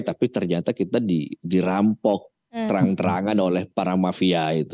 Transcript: tapi ternyata kita dirampok terang terangan oleh para mafia itu